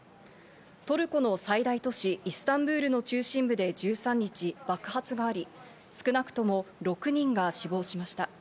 トルコの最大都市・イスタンブールの中心部で１３日、爆発があり、少なくとも６人が死亡しました。